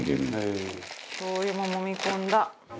しょう油ももみ込んだ。